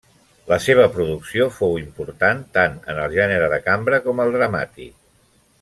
La seva producció fou important tant en el gènere de cambra com el dramàtic.